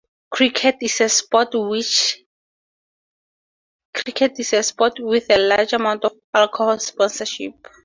Cricket is a sport with a large amount of alcohol sponsorship.